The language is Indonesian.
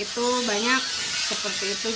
itu banyak kepercayaan